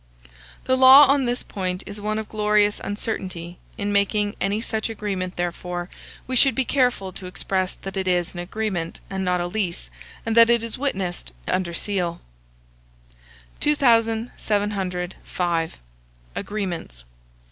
The law on this point is one of glorious uncertainty; in making any such agreement, therefore, we should be careful to express that it is an agreement, and not a lease; and that it is witnessed and under seal. 2705. AGREEMENTS.